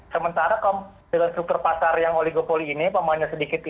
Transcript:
sementara dengan struktur pasar yang oligopoli ini pemainnya sedikit